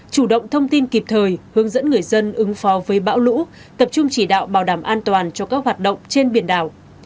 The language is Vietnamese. chủ động thông tin kịp thời hướng dẫn người dân ứng phó với bão lũ tập trung chỉ đạo bảo đảm an toàn cho các hoạt động trên biển đảo